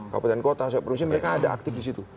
kabupaten kota soal perusahaan mereka ada aktif di situ